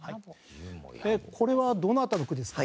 これはどなたの句ですか？